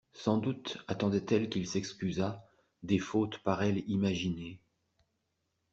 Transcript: Sans doute attendait-elle qu'il s'excusât des fautes par elle imaginées.